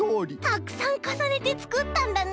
たくさんかさねてつくったんだね！